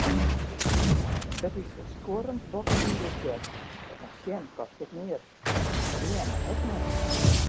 It is ferskuorrend boppe myn budzjet, mar sjen kostet neat en dreame ek net.